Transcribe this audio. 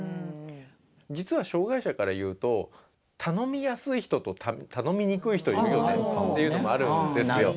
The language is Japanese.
実は障害者から言うと頼みやすい人と頼みにくい人いるよねっていうのもあるんですよ。